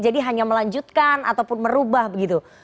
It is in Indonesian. jadi hanya melanjutkan ataupun merubah begitu